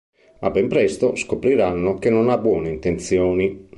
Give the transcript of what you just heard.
Ma ben presto scopriranno che non ha buone intenzioni.